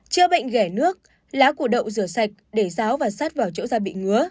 chữa bệnh gẻ nước lá củ đậu rửa sạch để ráo và sát vào chỗ da bị ngứa